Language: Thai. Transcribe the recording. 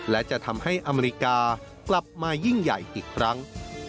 และจะทำให้อเมริกากลับมายิ่งใหญ่อีกครั้ง